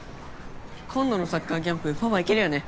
今度のサッカーキャンプパパ行けるよね？